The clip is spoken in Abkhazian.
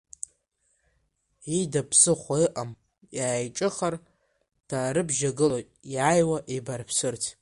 Ида ԥсыхәа ыҟам иааиҿыхар, даарыбжьагылоит иааиуа еибарԥсырц.